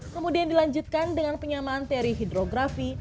kemudian dilanjutkan dengan penyamaan teori hidrografi